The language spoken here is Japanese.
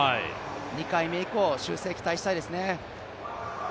２回目以降、修正期待したいですね。